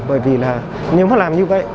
bởi vì là nếu mà làm như vậy